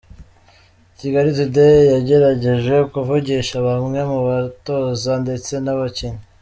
Kigali Today yagerageje kuvugisha bamwe mu batoza ndetse n’abakinnyi.